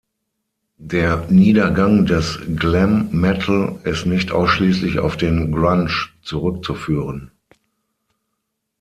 Der Niedergang des Glam Metal ist nicht ausschließlich auf den Grunge zurückzuführen.